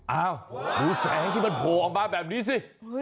ดูแสงที่มันโผล่ออกมาแบบนี้สิ